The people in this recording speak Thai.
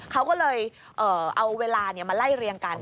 เขาก็เลยเอาเวลามาไล่เรียงกัน